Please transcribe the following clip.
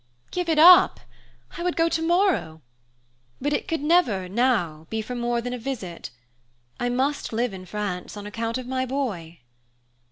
"Give it up! I would go tomorrow! But it could never, now, be for more than a visit. I must live in France on account of my boy."